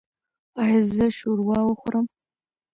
ایا زه شوروا وخورم؟